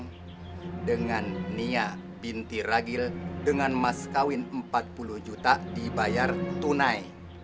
yang dengan nia binti ragil dengan mas kawin empat puluh juta dibayar tunai